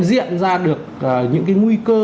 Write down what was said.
diện ra được những cái nguy cơ